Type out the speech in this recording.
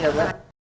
tata itu lagi